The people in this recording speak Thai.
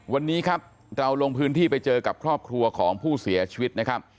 วันนี้ครับเราลงพื้นที่ไปเจอกับครอบครัวของผู้เสียชีวิตนะครับ